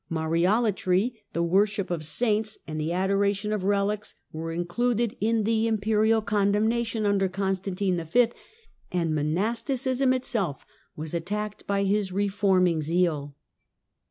Mariolatry, the worship of saints and the adoration of relics were included in the Imperial condemnation under Constantine V., and mon asticism itself was attacked by his reforming zeal.